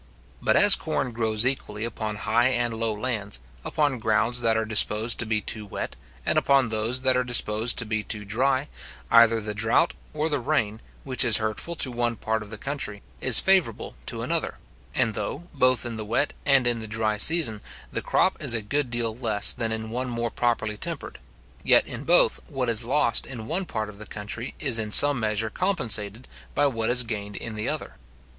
But as corn grows equally upon high and low lands, upon grounds that are disposed to be too wet, and upon those that are disposed to be too dry, either the drought or the rain, which is hurtful to one part of the country, is favourable to another; and though, both in the wet and in the dry season, the crop is a good deal less than in one more properly tempered; yet, in both, what is lost in one part of the country is in some measure compensated by what is gained in the other.